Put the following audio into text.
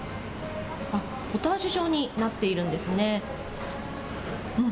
ポタージュ状になっているんですね。